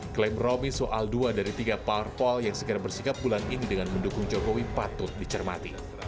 klaim romi soal dua dari tiga parpol yang segera bersikap bulan ini dengan mendukung jokowi patut dicermati